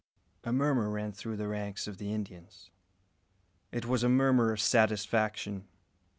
A murmur ran through the ranks of the Indians. It was a murmur of satisfaction.